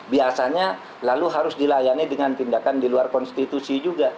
biasanya lalu harus dilayani dengan tindakan di luar konstitusi juga